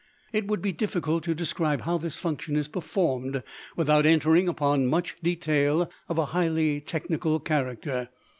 It would be difficult to describe how this function is performed without entering upon much detail of a highly technical character.